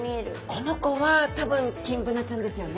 この子は多分キンブナちゃんですよね？